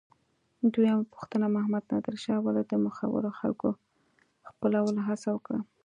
دویمه پوښتنه: محمد نادر شاه ولې د مخورو خلکو خپلولو هڅه وکړه؟